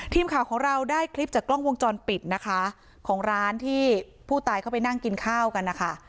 ทีมข่าวของเราได้คลิปจากกล้องวงจรปิดนะคะของร้านที่ผู้ตายเข้าไปนั่งกินข้าวกันนะคะ